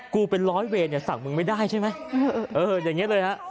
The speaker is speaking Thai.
เป็นร้อยเวรเนี่ยสั่งมึงไม่ได้ใช่ไหมเอออย่างนี้เลยฮะ